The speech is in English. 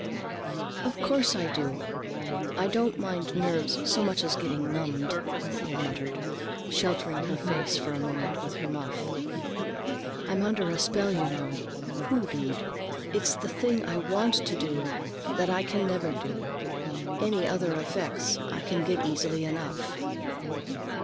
"Of course I do. I don't mind nerves so much as getting numbed," Thea muttered, sheltering her face for a moment with her muff. "I'm under a spell, you know, hoodooed. It's the thing I want to do that I can never do. Any other effects I can get easily enough."